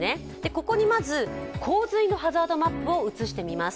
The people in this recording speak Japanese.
ここにまず洪水のハザードマップを映してみます。